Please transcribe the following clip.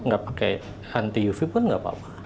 gak pakai anti uv pun gak apa apa